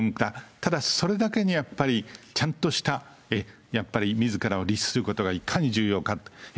ただ、それだけにやっぱり、ちゃんとしたやっぱり、みずからを律することが、いかに重要か。